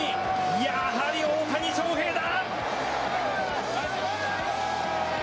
やはり、大谷翔平だ！